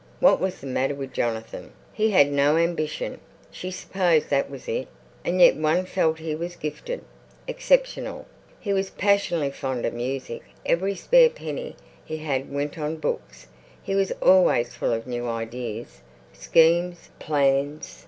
What was the matter with Jonathan? He had no ambition; she supposed that was it. And yet one felt he was gifted, exceptional. He was passionately fond of music; every spare penny he had went on books. He was always full of new ideas, schemes, plans.